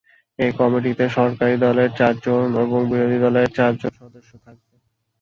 এই কমিটিতে সরকারি দলের চারজন এবং বিরোধী দলের চারজন সদস্য থাকবেন।